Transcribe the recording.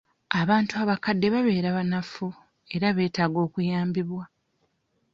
Abantu abakadde babeera banafu era beetaaga okuyambibwa.